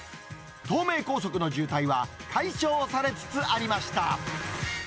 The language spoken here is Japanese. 東名高速の渋滞は解消されつつありました。